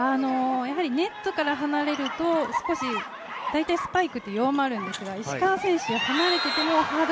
ネットから離れると少し、大体スパイクって弱まるんですが、石川選手、離れていてもはぁっ！！